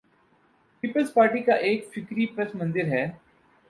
Peoples Party کا ایک فکری پس منظر ہے۔